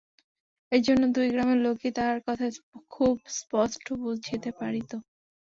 এই জন্য দুই গ্রামের লোকেই তাহার কথা খুব স্পষ্ট বুঝিতে পারিত।